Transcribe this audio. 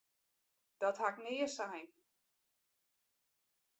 Dat ha ik nea sein!